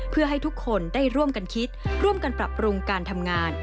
เพื่อให้ทุกคนได้ร่วมกันคิดร่วมกันปรับปรุงการทำงาน